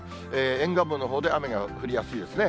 沿岸部のほうで雨が降りやすいですね。